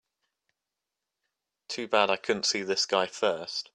Too bad I couldn't see this guy first.